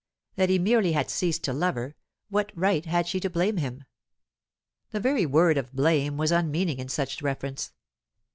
That he merely had ceased to love her, what right had she to blame him? The very word of "blame" was unmeaning in such reference.